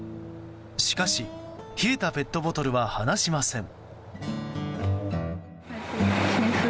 しかし、冷えたペットボトルは放しません。